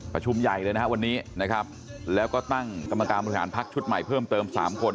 ประชุมใหญ่เลยนะครับวันนี้นะครับแล้วก็ตั้งกรรมการบริหารพักชุดใหม่เพิ่มเติมสามคน